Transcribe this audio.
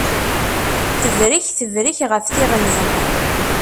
Tebrek tebrek ɣef tiɣmi